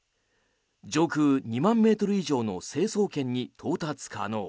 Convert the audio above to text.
上空２万ｍ以上の成層圏に到達可能。